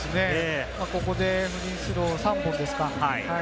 ここでフリースロー、３本ですか。